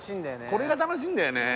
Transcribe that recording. これが楽しいんだよね。